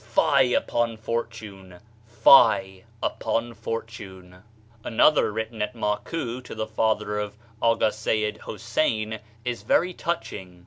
Fie upon fortune! Fie upon fortune !" Another written at Makou to the father of A. Sejed Houssein, is very touching.